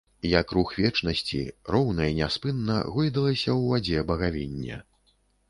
Як рух вечнасці, роўна і няспынна гойдалася ў вадзе багавінне.